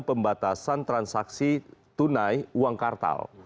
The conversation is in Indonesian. pembatasan transaksi tunai uang kartal